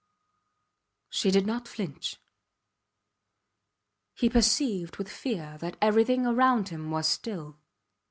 She did not flinch. He perceived with fear that everything around him was still.